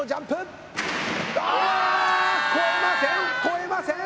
越えません越えません！